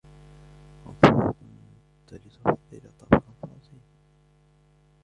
ربما ، كنت لتفضل طبقًا فرنسيا.